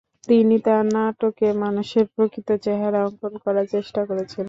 তিনি তাঁর নাটকে মানুষের প্রকৃত চেহারা অংকন করার চেষ্টা করেছেন।